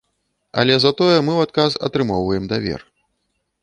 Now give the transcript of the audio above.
Але затое мы ў адказ атрымоўваем давер.